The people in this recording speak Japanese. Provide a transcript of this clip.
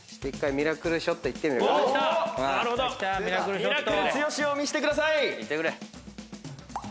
ミラクル剛を見せてください。